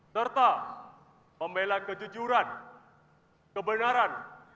serta pembela kejujuran kebenaran dan kebenaran